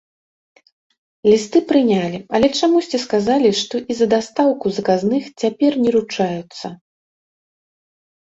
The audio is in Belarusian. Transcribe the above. Лісты прынялі, але чамусьці сказалі, што і за дастаўку заказных цяпер не ручаюцца.